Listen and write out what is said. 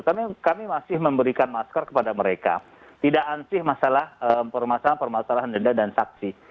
kami masih memberikan masker kepada mereka tidak ansih masalah permasalahan denda dan saksi